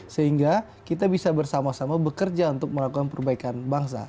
sehingga kita bisa bersama sama bekerja untuk melakukan perbaikan bangsa